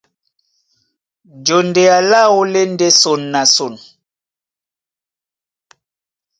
Jondea láō lá e ndé son na son.